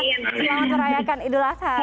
selamat merayakan idul azhar